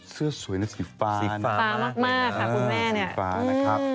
เสื้อสวยนะสีฟ้าสีฟ้ามากค่ะคุณแม่นี่